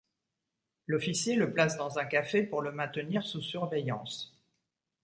L'officier le place dans un café pour le maintenir sous surveillance.